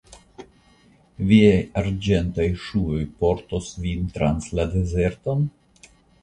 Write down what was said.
Viaj Arĝentaj ŝuoj portos vin trans la dezerton?